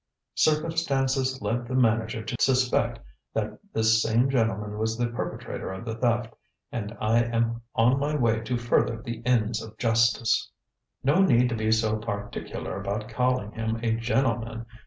Circumstances lead the manager to suspect that this same gentleman was the perpetrator of the theft, and I am on my way to further the ends of justice." "No need to be so particular about calling him a gentleman.